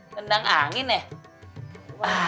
tendang angin ya